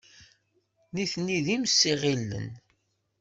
Nitni d imsiɣilen.